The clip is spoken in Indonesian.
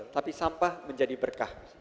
tapi sampah menjadi berkah